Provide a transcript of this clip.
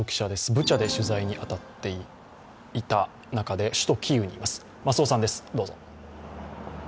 ブチャで取材に当たっていた中で、キーウにいます。